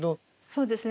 そうですね。